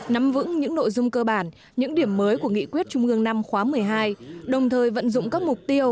nắm vững những nội dung cơ bản những điểm mới của nghị quyết trung ương năm khóa một mươi hai đồng thời vận dụng các mục tiêu